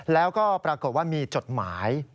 แล้วก็ปรากฏว่ามีจดหมาย